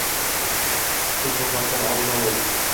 Kech bo'lmasdan oldini olaylik.